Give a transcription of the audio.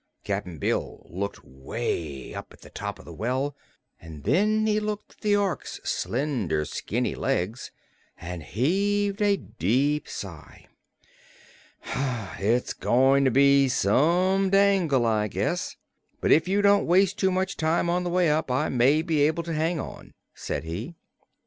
Cap'n Bill looked way up at the top of the well, and then he looked at the Ork's slender, skinny legs and heaved a deep sigh. "It's goin' to be some dangle, I guess; but if you don't waste too much time on the way up, I may be able to hang on," said he.